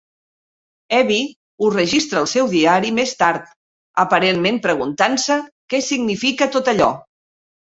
Evie ho registra al seu diari més tard, aparentment preguntant-se què significa tot allò.